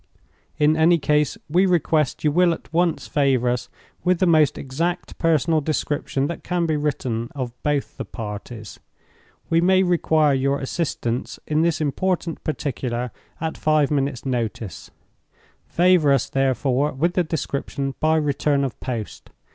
"In any case, we request you will at once favor us with the most exact personal description that can be written of both the parties. We may require your assistance, in this important particular, at five minutes' notice. Favor us, therefore, with the description by return of post.